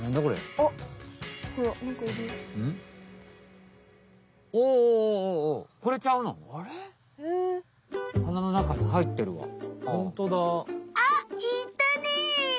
あっいたね！